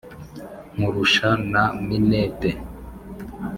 Nkurusha na Minete,